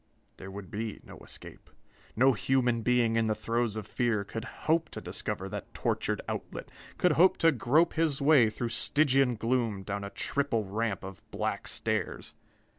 There would be no escape! No human being in the throes of fear could hope to discover that tortured outlet, could hope to grope his way through Stygian gloom down a triple ramp of black stairs.